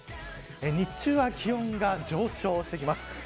日中は気温が上昇してきます。